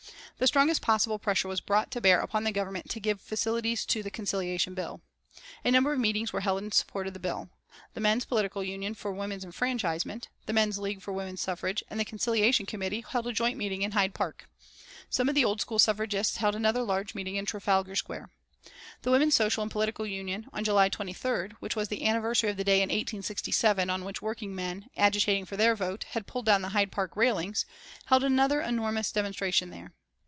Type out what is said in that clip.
The strongest possible pressure was brought to bear upon the Government to give facilities to the Conciliation Bill. A number of meetings were held in support of the bill. The Men's Political Union for Women's Enfranchisement, the Men's League for Women's Suffrage and the Conciliation Committee held a joint meeting in Hyde Park. Some of the old school of suffragists held another large meeting in Trafalgar Square. The Women's Social and Political Union, on July 23rd, which was the anniversary of the day in 1867 on which working men, agitating for their vote, had pulled down the Hyde Park railings, held another enormous demonstration there.